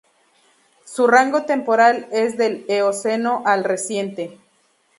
Su rango temporal es del Eoceno al Reciente.